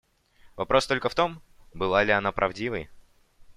Вопрос только в том, была ли она правдивой.